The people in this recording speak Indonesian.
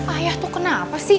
ayah tuh kenapa sih